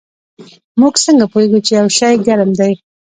موږ څنګه پوهیږو چې یو شی ګرم دی